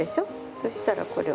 そしたらこれを。